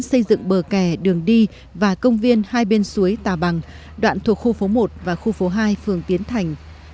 xây dựng bờ kè đường đi và công viên hai bên suối tà bằng đoạn thuộc khu phố một và khu phố hai phường tiến thành